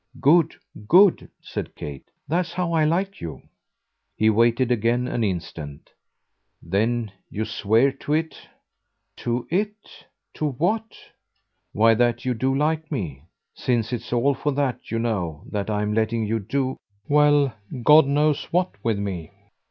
"Good, good," said Kate. "That's how I like you." He waited again an instant. "Then you swear to it?" "To 'it'? To what?" "Why that you do 'like' me. Since it's all for that, you know, that I'm letting you do well, God knows what with me."